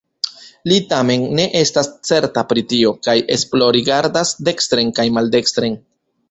Li tamen ne estas certa pri tio kaj esplorrigardas dekstren kaj maldekstren.